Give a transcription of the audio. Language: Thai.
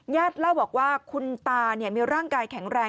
เล่าบอกว่าคุณตามีร่างกายแข็งแรง